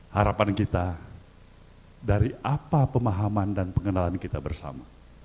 harapan kita dari apa pemahaman dan pengenalan kita bersama